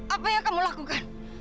apa yang kamu lakukan